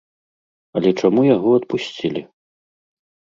Але чаму яго адпусцілі?